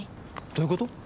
どういうこと？